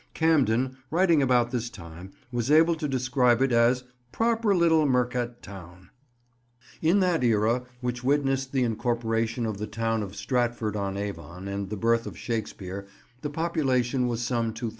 Camden, writing about this time, was able to describe it as "proper little mercat towne." In that era which witnessed the incorporation of the town of Stratford on Avon and the birth of Shakespeare the population was some 2000.